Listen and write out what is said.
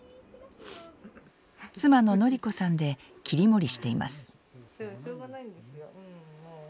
妻の典子さんで切り盛りしています。